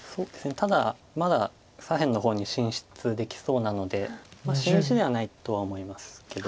ただまだ左辺の方に進出できそうなので死ぬ石ではないとは思いますけど。